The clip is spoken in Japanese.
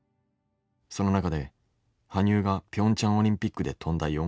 その中で羽生がピョンチャンオリンピックで跳んだ